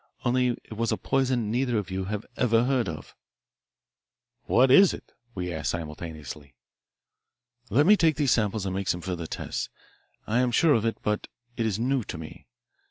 Only it is a poison neither of you ever heard of." "What is it?" we asked simultaneously. "Let me take these samples and make some further tests. I am sure of it, but it is new to me.